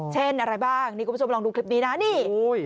เช่นอะไรบ้างนี่คุณผู้ชมลองดูคลิปนี้นะนี่